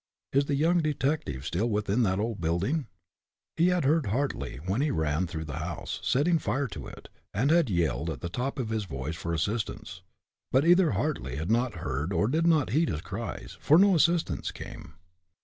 Is the young detective still within that old building? He had heard Hartly, when he ran through the house, setting fire to it, and had yelled at the top of his voice for assistance. But, either Hartly had not heard or did not heed his cries, for no assistance came.